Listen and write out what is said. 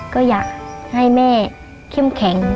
ก็อยากให้แม่เข้มแข็ง